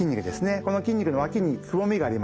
この筋肉の脇にくぼみがあります。